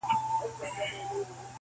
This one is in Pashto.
يو لوى باز يې خوشي كړى وو هوا كي-